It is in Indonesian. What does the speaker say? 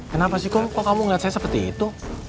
kenapa sih ceng kok kamu ngeliat saya seperti itu